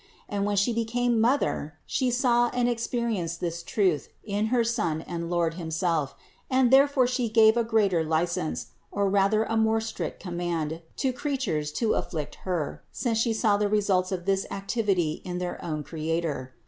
And when She became Mother She saw and experienced this truth in her Son and Lord him self and therefore She gave a greater license, or rather a more strict command, to creatures to afflict Her, since THE INCARNATION 43 She saw the results of this activity in their own Creator.